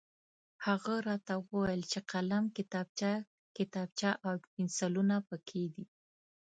هغه راته وویل چې قلم، کتاب، کتابچه او پنسلونه پکې دي.